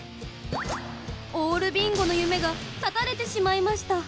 オールビンゴの夢が絶たれてしまいました。